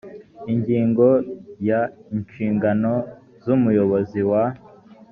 ingingo ya inshingano z umuyobozi wa